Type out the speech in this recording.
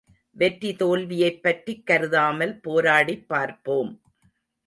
வெற்றி தோல்வியைப் பற்றிக் கருதாமல் போராடிப் பார்ப்போம்.